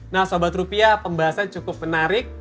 nah sobat rupiah pembahasan cukup menarik